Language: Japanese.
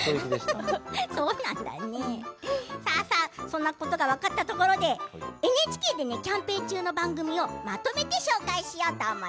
そんなことが分かったところでＮＨＫでキャンペーン中の番組をまとめて紹介するよ。